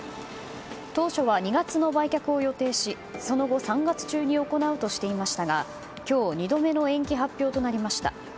当初は２月の売却を予定しその後３月中に行うとしていましたが今日２度目の延期発表となりました。